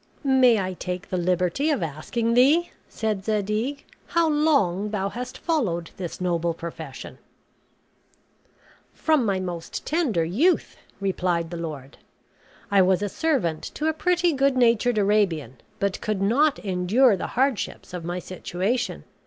"May I take the liberty of asking thee," said Zadig, "how long thou hast followed this noble profession?" "From my most tender youth," replied the lord. "I was a servant to a pretty good natured Arabian, but could not endure the hardships of my situation.